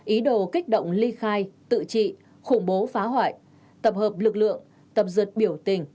ý đồ kích động ly khai tự trị khủng bố phá hoại tập hợp lực lượng tập dượt biểu tình